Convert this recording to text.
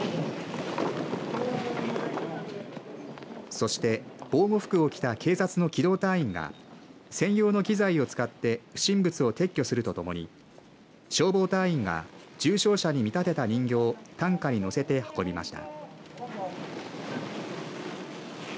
そして防護服を着た警察の機動隊員が専用の機材を使って不審物を撤去するとともに消防隊員が重傷者に見立てた人形を担架に乗せて運びました。